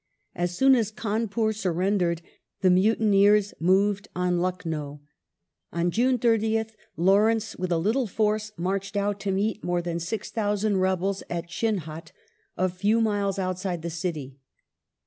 As soon as Cawnpur surrendered, the mutineers moved on Lucknow. On June 30th, Lawrence with a little force marched out to meet more than 6,000 rebels at Chinhut, a few miles outside the city.